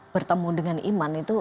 bertemu dengan iman itu